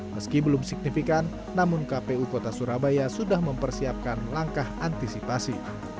meski belum signifikan namun kpu kota surabaya sudah mempersiapkan langkah antisipasi